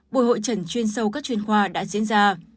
buổi hội trần chuyên sâu các chuyên khoa đã diễn ra